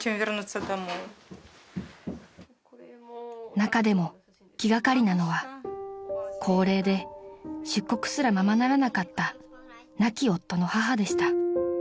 ［中でも気掛かりなのは高齢で出国すらままならなかった亡き夫の母でした］